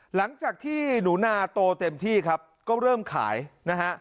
หลังจากที่หนูนาโตเต็มที่ครับก็เริ่มขายนะฮะ